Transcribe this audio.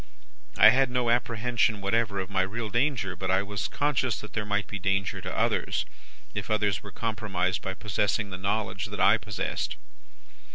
I had no apprehension whatever of my real danger; but I was conscious that there might be danger for others, if others were compromised by possessing the knowledge that I possessed.